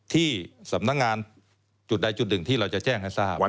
ที่สำนักงานจุดใดจุดหนึ่งที่เราจะแจ้งให้ทราบ